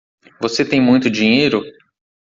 Você tem muito dinheiro?